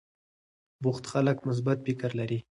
بوخت خلک مثبت فکر لري.